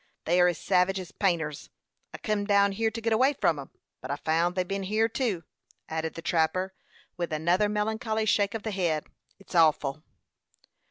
They are as savage as painters. I kim down hyer to git away from 'em, but I found they'd ben hyer too," added the trapper, with another melancholy shake of the head. "It's awful."